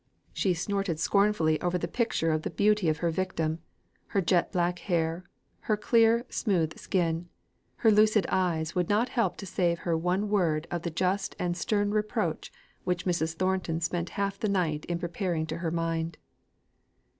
She snorted scornfully over the picture of the beauty of her victim; her jet black hair, her clear smooth skin, her lucid eyes would not help to save her one word of the just and stern reproach which Mrs. Thornton spent half the night in preparing to her mind.